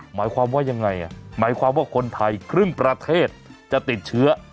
หมายความว่ายังไงหมายความว่าคนไทยครึ่งประเทศจะติดเชื้อ